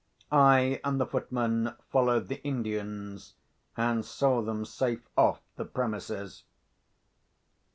I and the footman followed the Indians, and saw them safe off the premises.